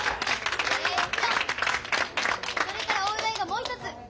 えっとそれからお祝いがもう一つ。